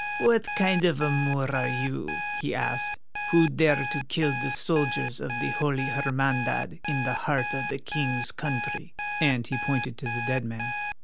"What kind of a Moor are you," he asked, "who dare to kill the soldiers of the Holy Hermandad in the heart of the King's country?" and he pointed to the dead man.